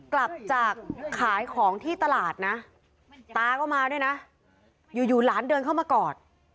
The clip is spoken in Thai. กลับจากขายของที่ตลาดนะตาก็มาด้วยนะอยู่อยู่หลานเดินเข้ามากอด